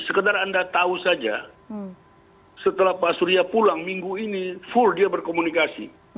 sekedar anda tahu saja setelah pak surya pulang minggu ini full dia berkomunikasi